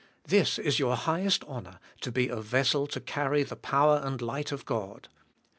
This is your high est honor, to be a vessel to carry the power and light of God.